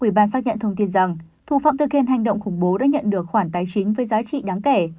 ubnd xác nhận thông tin rằng thủ phạm thực hiện hành động khủng bố đã nhận được khoản tài chính với giá trị đáng kể